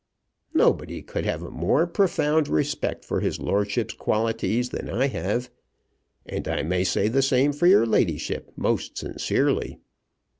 Nobody could have a more profound respect for his lordship's qualities than I have, and I may say the same for your ladyship most sincerely.